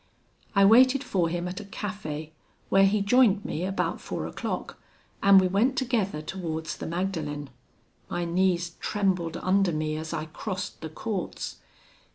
"I waited for him at a cafe, where he joined me about four o'clock, and we went together towards the Magdalen; my knees trembled under me as I crossed the courts.